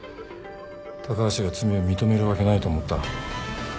高橋が罪を認めるわけないと思った？